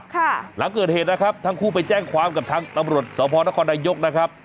หลังเกิดเหตุนะครับทั้งคู่ไปแจ้งความกับทางตำรวจสพนครนายกนะครับ